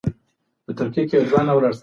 آیا ته د خپل هېواد تاریخ پېژنې؟